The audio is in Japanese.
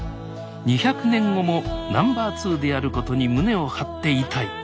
２００年後もナンバー２であることに胸を張っていたい。